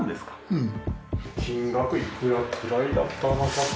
うん。